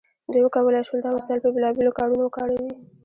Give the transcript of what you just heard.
دوی وکولی شول دا وسایل په بیلابیلو کارونو وکاروي.